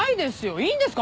いいんですか？